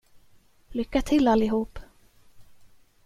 Lycka till, allihop.